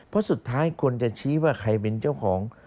เพราะสุดท้ายควรจะชี้ว่าใครเป็นเจ้าของ